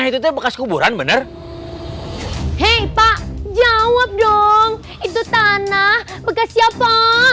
hei pak jawab dong itu tanah bekas siapa